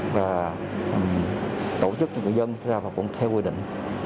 và tổ chức cho người dân ra vào quận theo quy định